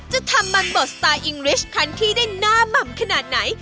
จะทำมันบดสไตล์อิงเรชคันที่ได้หน้าหม่ำขนาดไหน